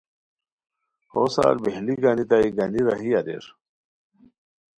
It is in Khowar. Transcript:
ہوسار بیہیلی گانیتائے، گانی راہی اریر